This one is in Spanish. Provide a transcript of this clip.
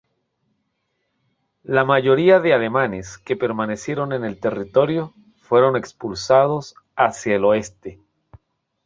La mayoría de alemanes que permanecieron en el territorio fueron expulsados hacia el oeste.